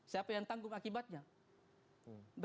siapa yang tanggung akibatnya